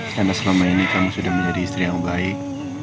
karena selama ini kamu sudah menjadi istri yang baik